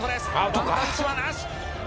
ワンタッチはなし。